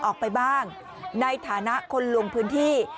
ออกไปบ้างในฐานะคนลงพื้นที่